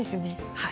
はい。